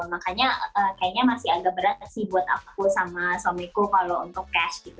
makanya kayaknya masih agak berat sih buat aku sama suamiku kalau untuk cash gitu